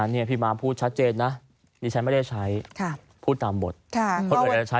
ในการดำเนินการต่อไป